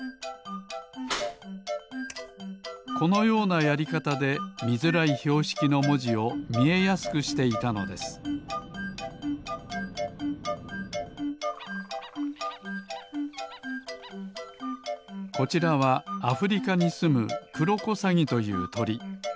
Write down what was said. このようなやりかたでみづらいひょうしきのもじをみえやすくしていたのですこちらはアフリカにすむクロコサギというとり。